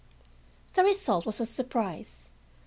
The result was a surprise.